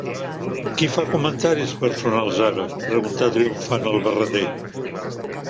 "Qui fa comentaris personals ara?", preguntà triomfant el Barreter.